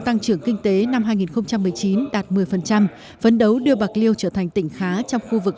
tăng trưởng kinh tế năm hai nghìn một mươi chín đạt một mươi phấn đấu đưa bạc liêu trở thành tỉnh khá trong khu vực